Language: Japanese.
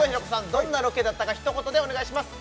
どんなロケだったか一言でお願いします